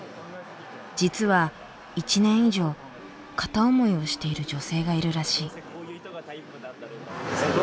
実は１年以上片思いをしている女性がいるらしい。